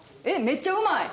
めっちゃうまい！